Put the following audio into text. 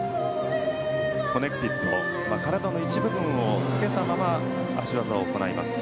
コネクティッド体の一部分をつけたまま脚技を行います。